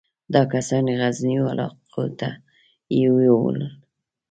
دا کسان یې غرنیو علاقو ته یووړل.